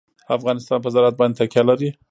افغانستان په زراعت باندې تکیه لري.